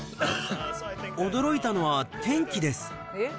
驚いたのは、天気です。